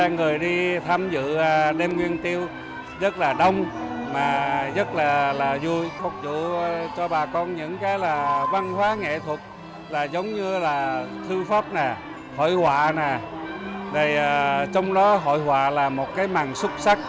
người đi tham dự đêm nguyên tiêu rất là đông mà rất là vui phục vụ cho bà con những cái là văn hóa nghệ thuật là giống như là thư pháp n hội họa rồi trong đó hội họa là một cái màn xuất sắc